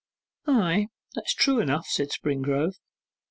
'Ay, that's true enough,' said Springrove.